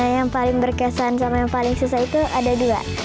yang paling berkesan sama yang paling susah itu ada dua